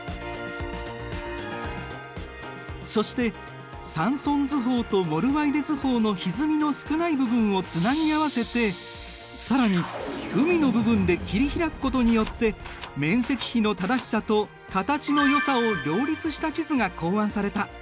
そしてサンソン図法とモルワイデ図法のひずみの少ない部分をつなぎ合わせて更に海の部分で切り開くことによって面積比の正しさと形のよさを両立した地図が考案された。